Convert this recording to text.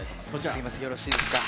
すみません、よろしいですか。